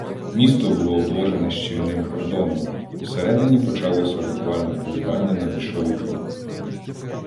Місто було обложене щільним кордоном, всередині почалося буквально полювання на більшовиків.